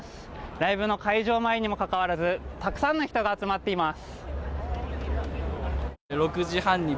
ライブの開場前にもかかわらずたくさんの人が集まっています。